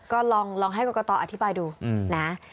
ก็ลองให้กรกตอธิบายดูนะ